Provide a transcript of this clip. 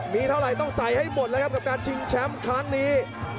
มีเท่าไรต้องใส่ให้หมดครับการชิงแชมป์ครั้งนี้